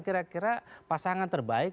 kira kira pasangan terbaik